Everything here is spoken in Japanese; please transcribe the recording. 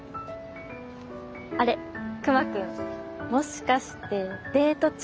あれ熊くんもしかしてデート中？